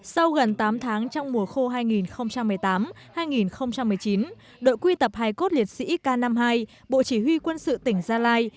sau gần tám tháng trong mùa khô hai nghìn một mươi tám hai nghìn một mươi chín đội quy tập hài cốt liệt sĩ k năm mươi hai bộ chỉ huy quân sự tỉnh gia lai